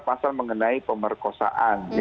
pasal mengenai pemerkosaan